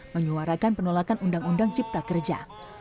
menyuarakan penolakan undang undang cipta kerja